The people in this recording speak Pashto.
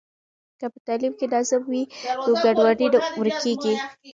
که په تعلیم کې نظم وي نو ګډوډي ورکیږي.